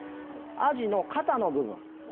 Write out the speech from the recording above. アジの肩の部分です。